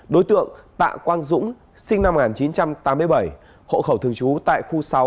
đối tượng tạ quang dũng sinh năm một nghìn chín trăm tám mươi bảy hộ khẩu thường trú tại khu sáu